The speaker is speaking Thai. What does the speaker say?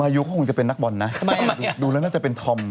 อายุเขาคงจะเป็นนักบอลนะดูแล้วน่าจะเป็นธอม